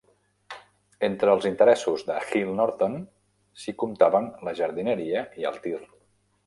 Entre els interessos de Hill-Norton s'hi comptaven la jardineria i el tir.